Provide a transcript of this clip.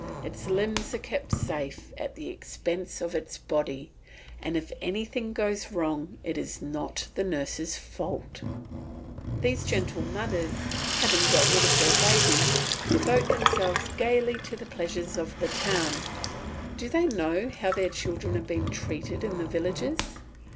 Its limbs are kept safe at the expense of its body, and if anything goes wrong it is not the nurse's fault. These gentle mothers, having got rid of their babies, devote themselves gaily to the pleasures of the town. Do they know how their children are being treated in the villages?